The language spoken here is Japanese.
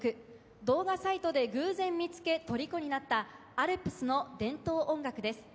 動画サイトで偶然見つけ虜になったアルプスの伝統音楽です。